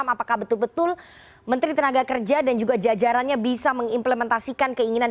apakah betul betul menteri tenaga kerja dan juga jajarannya bisa mengimplementasikan keinginan